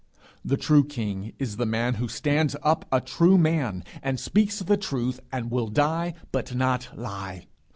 The true king is the man who stands up a true man and speaks the truth, and will die but not lie.